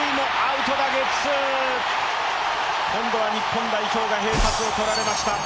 今度は日本代表が併殺を取られました。